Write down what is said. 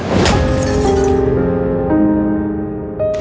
ปลอดภัย